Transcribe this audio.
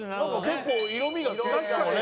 結構色味が違うかもね。